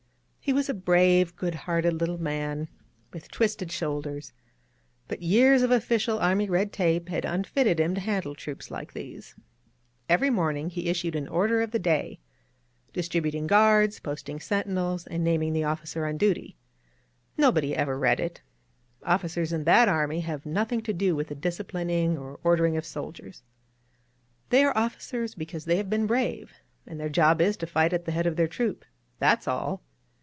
He was a brave, good hearted little man, with twisted 68 INSURGENT MEXICO shoulders, but years of official army red tape had \ut* fitted him to handle troops like these. Every morning he issued an Order of the Day, distributing guards, posting sentinels, and naming the officer on duty. No body ever read it. Officers in that army have nothing to do with the disciplining or ordering of soldiers^ They are officers because they have been brave, and their job is to fight at the head of their troop — that's all.